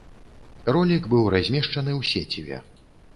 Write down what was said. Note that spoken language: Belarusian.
Ролік быў размешчаны ў сеціве.